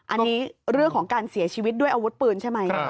อันนี้เรื่องของการเสียชีวิตด้วยอาวุธปืนใช่ไหม